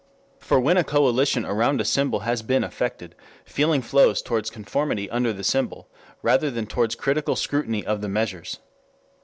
For when a coalition around the symbol has been effected, feeling flows toward conformity under the symbol rather than toward critical scrutiny of the measures.